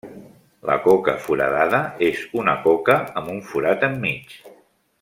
La coca foradada és una coca amb un forat enmig.